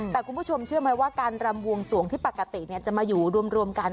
แต่คุณผู้ชมเชื่อไหมว่าการรำวงสวงที่ปกติจะมาอยู่รวมกัน